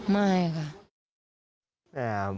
ไม่ค่ะ